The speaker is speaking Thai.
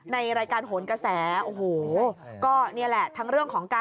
ในรายการโหนกระแสโอ้โหก็นี่แหละทั้งเรื่องของการ